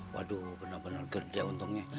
waduh benar benar kerja untungnya